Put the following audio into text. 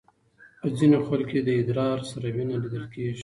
په ځینو خلکو کې د ادرار سره وینه لیدل کېږي.